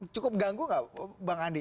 cukup ganggu gak bang andi